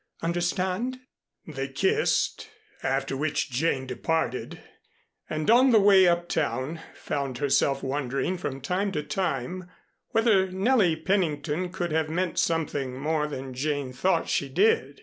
Understand?" They kissed; after which Jane departed, and on the way uptown found herself wondering from time to time whether Nellie Pennington could have meant something more than Jane thought she did.